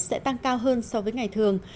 sẽ tăng cao hơn so với ngày thường